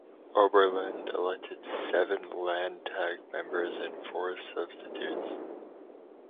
Oberland elected seven Landtag members and four substitutes.